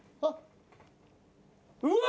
うわ！